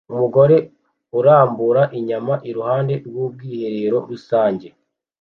Umugore arambura inyana iruhande rw'ubwiherero rusange